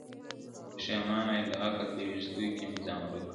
پښېمانه يم د عقل په وېښتو کي مي ځان ورک کړ